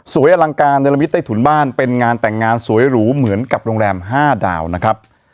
อลังการในละมิตใต้ถุนบ้านเป็นงานแต่งงานสวยหรูเหมือนกับโรงแรม๕ดาวนะครับ